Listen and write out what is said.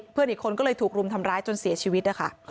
เพื่อนอีกคนก็เลยถูกรุมทำร้ายจนเสียชีวิตนะคะ